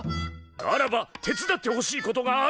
ならば手伝ってほしいことがある。